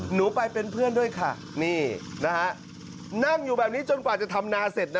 หนูไปเป็นเพื่อนด้วยค่ะนี่นะฮะนั่งอยู่แบบนี้จนกว่าจะทำนาเสร็จนะ